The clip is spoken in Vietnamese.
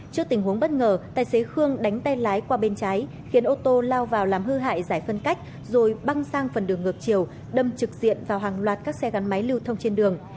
trước tình huống bất ngờ tài xế khương đánh tay lái qua bên trái khiến ô tô lao vào làm hư hại giải phân cách rồi băng sang phần đường ngược chiều đâm trực diện vào hàng loạt các xe gắn máy lưu thông trên đường